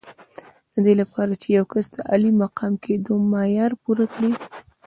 د دې لپاره چې یو کس د عالي مقام کېدو معیار پوره کړي.